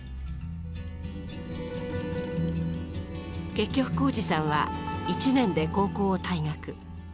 結局宏司さんは１年で高校を退学。